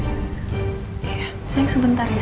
iya sayang sebentar ya